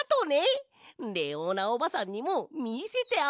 レオーナおばさんにもみせてあげよ！